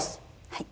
はい。